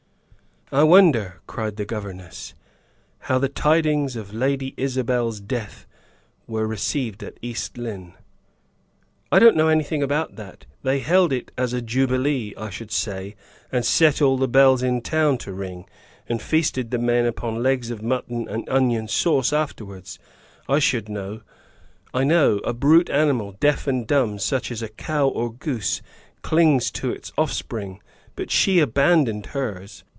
"I wonder," cried the governess, "how the tidings of Lady Isabel's death were received at East Lynne?" "I don't know anything about that. They held it as a jubilee, I should say, and set all the bells in town to ring, and feasted the men upon legs of mutton and onion sauce afterward. I should, I know. A brute animal, deaf and dumb, such as a cow or a goose, clings to its offspring, but she abandoned hers.